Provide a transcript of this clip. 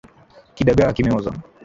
Kidagaa kimeoza.